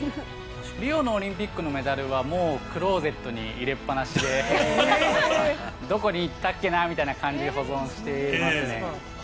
リオのオリンピックのメダルはもうクローゼットに入れっぱなしで、どこに行ったっけなみたいな感じで保存していますね。